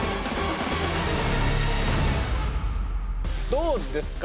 どうですか？